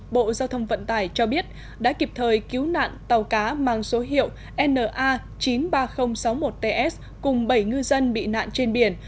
bộ giao thông vận tải cho biết đã kịp thời cứu nạn tàu cá mang số hiệu na chín mươi ba nghìn sáu mươi một ts cùng bảy ngư dân bị nạn trên biển